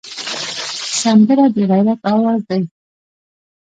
سندره د غیرت آواز دی